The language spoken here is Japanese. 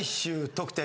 得点。